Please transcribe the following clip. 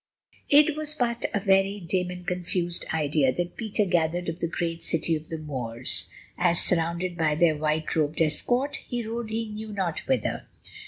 It was but a very dim and confused idea that Peter gathered of the great city of the Moors, as, surrounded by their white robed escort, he rode he knew not whither.